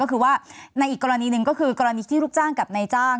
ก็คือว่าในอีกกรณีหนึ่งก็คือกรณีที่ลูกจ้างกับนายจ้าง